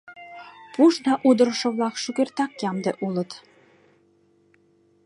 Пуш да удырышо-влак шукертак ямде улыт.